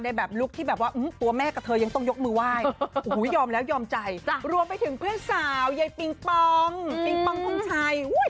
ได้ถึงเพื่อนสาวยายปิงปองปิงปองคงชัย